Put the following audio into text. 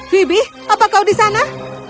fibi apa kau di sana